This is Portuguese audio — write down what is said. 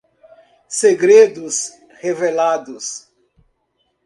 Segredos revelados